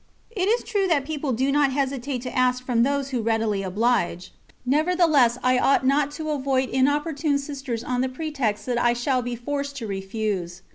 It is true that people do not hesitate to ask from those who readily oblige, nevertheless I ought not to avoid importunate Sisters on the pretext that I shall be forced to refuse.